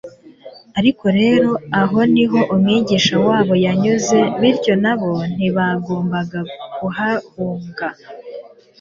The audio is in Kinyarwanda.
ariko rero aho ni ho Umwigisha wabo yanyuze bityo na bo ntibagombaga kuhahunga.